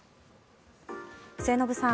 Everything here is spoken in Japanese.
末延さん